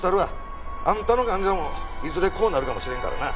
あんたの患者もいずれこうなるかもしれへんからな。